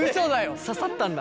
刺さったんだ。